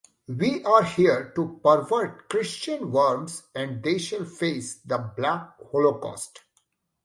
We are here to pervert Christian worms and they shall face the Black holocaust.